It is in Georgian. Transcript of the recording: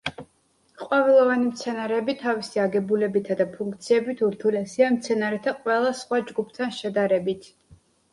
ყვავილოვანი მცენარეები თავისი აგებულებითა და ფუნქციებით ურთულესია მცენარეთა ყველა სხვა ჯგუფთან შედარებით.